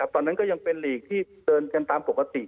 ตอนนั้นก็ยังเป็นหลีกที่เดินกันตามปกติ